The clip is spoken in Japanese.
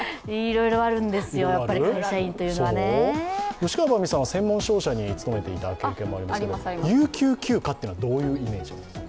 吉川ばんびさんは専門商社に勤めていた経験がありますけど有給休暇というのはどういうイメージですか？